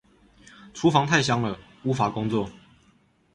廚房太香了無法工作